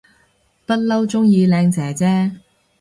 不嬲鍾意靚姐姐